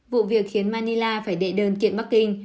vụ việc khiến manila phải đệ đơn kiện bắc kinh